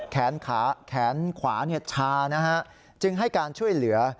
แขนขาแขนขวาชานะฮะจึงให้การช่วยเหลือ